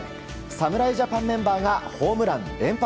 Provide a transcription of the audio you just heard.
侍ジャパンメンバーがホームラン連発。